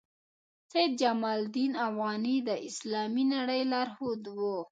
سید جمال الدین افغاني د اسلامي نړۍ لارښود وو.